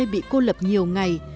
bị cô lập nhiều ngày